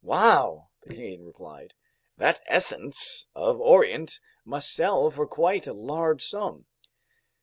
"Wow!" the Canadian replied. "That Essence of Orient must sell for quite a large sum."